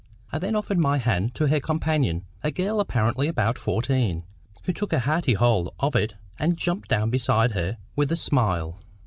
I then offered my hand to her companion, a girl apparently about fourteen, who took a hearty hold of it, and jumped down beside her with a smile.